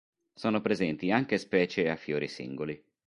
Sono presenti anche specie a fiori singoli.